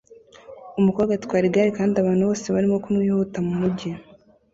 Umukobwa atwara igare kandi abantu bose barimo kumwihuta mumujyi